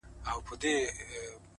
لـه ژړا دي خداى را وساته جانـانـه ـ